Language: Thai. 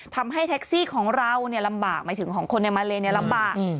ทำให้แท็กซี่ของเราลำบากหมายถึงของคนในมาเลลำบาก